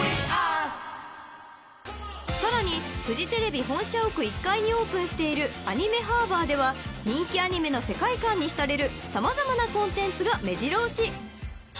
［さらにフジテレビ本社屋１階にオープンしているＡＮＩＭＥＨＡＲＢＯＲでは人気アニメの世界観に浸れる様々なコンテンツがめじろ押し］